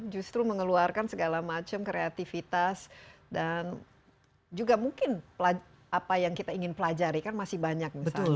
justru mengeluarkan segala macam kreativitas dan juga mungkin apa yang kita ingin pelajari kan masih banyak misalnya